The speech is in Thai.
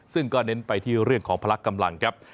ซึ่งก็เน้นไปที่เรื่องของพลักกำลังครับ